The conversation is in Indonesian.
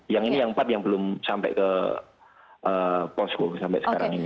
yang ini yang empat yang belum sampai ke posko sampai sekarang ini